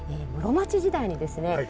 室町時代にですね